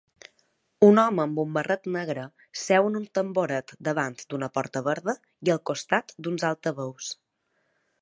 Un home amb un barret negre seu en un tamboret davant d'una porta verda i al costat d'uns altaveus.